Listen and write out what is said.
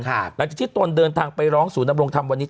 หลังจากที่ตนเดินทางไปร้องศูนยำรงธรรมวันนี้